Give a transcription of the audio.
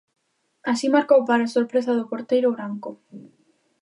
Así marcou para sorpresa do porteiro branco.